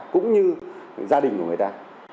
cũng như gia đình của người ta